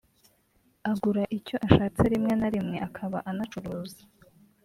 agura icyo ashaste rimwe na rimwe akaba anacuruza